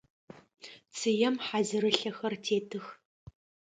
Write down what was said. Цыем хьазырылъэхэр тетых.